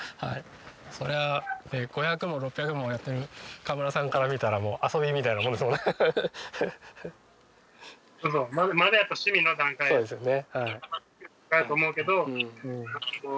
そりゃあ５００も６００もやってる川村さんから見たらもう遊びみたいなものですもんね。